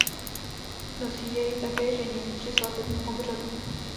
Nosí jej také ženich při svatebním obřadu.